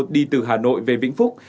đi từ hà nội về vĩnh phúc